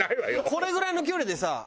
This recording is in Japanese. これぐらいの距離でさ